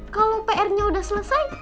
kalau pr nya sudah selesai